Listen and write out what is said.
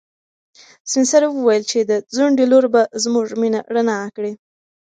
سپین سرې وویل چې د ځونډي لور به زموږ مېنه رڼا کړي.